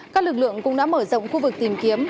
các lực lượng cũng đã mở rộng khu vực tìm kiếm